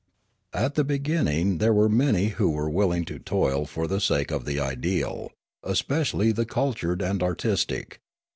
" At the beginning there were many who were will ing to toil for the sake of the ideal, especially the cul tured and artistic.